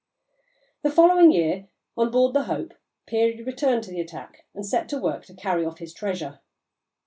The following year, on board the Hope, Peary returned to the attack and set to work to carry off his treasure.